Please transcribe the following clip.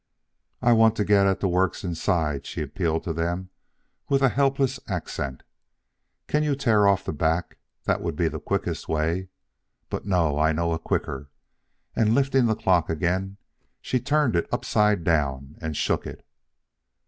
"I want to get at the works inside," she appealed to them with a helpless accent. "Can you tear off the back? That would be the quickest way. But no, I know a quicker," and lifting the clock again she turned it upside down and shook it.